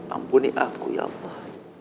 ampuni aku ya allah